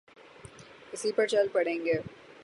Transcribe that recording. اسی پر چل پڑیں گے۔